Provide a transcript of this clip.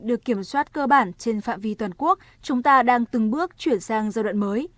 được kiểm soát cơ bản trên phạm vi toàn quốc chúng ta đang từng bước chuyển sang giai đoạn mới